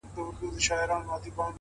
• اوښکو د چا کله ګنډلی دی ګرېوان وطنه ,